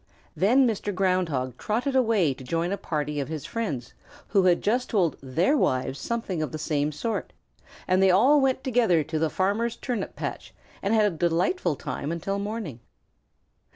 Then Mr. Ground Hog trotted away to join a party of his friends who had just told their wives something of the same sort, and they all went together to the farmer's turnip patch and had a delightful time until morning.